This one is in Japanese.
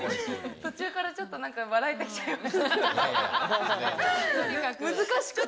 途中から、ちょっと笑えてきちゃいました。